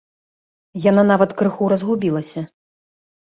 Яна нават крыху разгубілася.